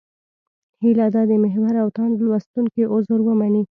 هیله ده د محور او تاند لوستونکي عذر ومني.